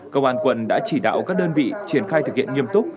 công an quận đã chỉ đạo các đơn vị triển khai thực hiện nghiêm túc